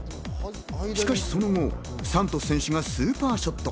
しかしその後、サントス選手がスーパーショット。